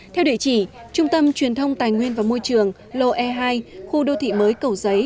theo địa chỉ trung tâm truyền thông tài nguyên và môi trường lô e hai khu đô thị mới cầu giấy